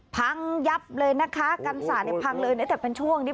พังยับเลยนะคะกรรษาพังเลยแต่เป็นช่วงนี้